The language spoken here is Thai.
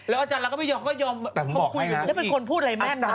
อาจารย์ลักษณ์พูดเสร็จปุ๊บหนูก็นี่เลยอะ